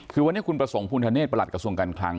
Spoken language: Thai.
คือวันนี้คุณประสงค์ภูมิธเนธประหลัดกระทรวงการคลัง